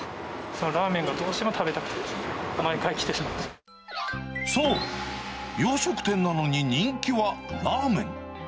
ラーメンがどうしても食べたそう、洋食店なのに人気はラーメン。